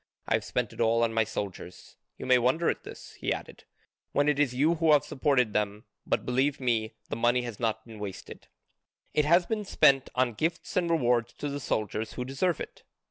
I have spent it all on my soldiers. You may wonder at this," he added, "when it is you who have supported them, but, believe me, the money has not been wasted: it has all been spent on gifts and rewards to the soldiers who deserved it.